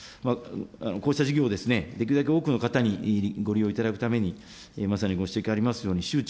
こうした事業をできるだけ多くの方にご利用いただくために、まさにご指摘ありますように、周知、